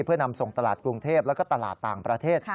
เพื่อนำส่งตลาดกรุงเทพแล้วก็ตลาดต่างประเทศ